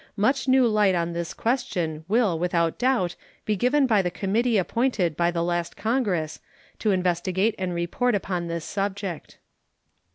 Much new light on this question will without doubt be given by the committee appointed by the last Congress to investigate and report upon this subject.